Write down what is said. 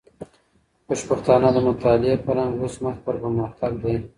خوشبختانه، د مطالعې فرهنګ اوس مخ پر پرمختګ دی.